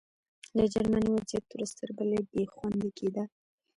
د جرمني وضعیت ورځ تر بلې بې خونده کېده